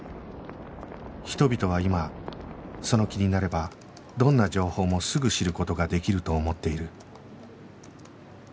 人々は今その気になればどんな情報もすぐ知る事ができると思っている